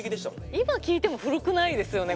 今聴いても古くないですよね